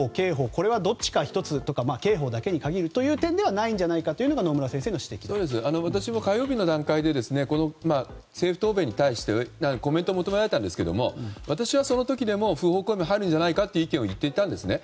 これはどっちか１つとか刑法だけに限る点ではないんじゃないかというのが私も火曜日の段階で政府答弁に対してコメントを求められたんですけど私はその時でも、不法行為はあるんじゃないかという意見を言っていたんですね。